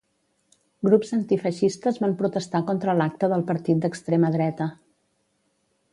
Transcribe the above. Grups antifeixistes van protestar contra l’acte del partit d’extrema dreta.